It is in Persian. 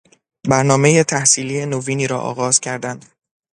برنامهی تحصیلی نوینی را آغاز کردن